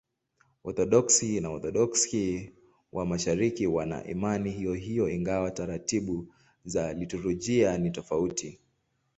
Waorthodoksi na Waorthodoksi wa Mashariki wana imani hiyohiyo, ingawa taratibu za liturujia ni tofauti.